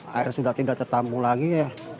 air sudah tidak tertampung lagi ya